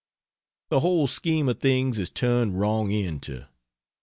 The whole scheme of things is turned wrong end to.